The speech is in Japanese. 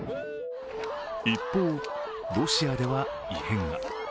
一方、ロシアでは異変が。